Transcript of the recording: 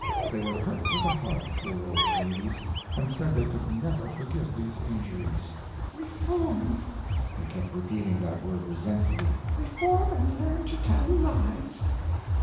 They were hurt to the heart, poor old ladies, and said they could never forgive these injuries. "Reform!" They kept repeating that word resentfully. "Reform and learn to tell lies!"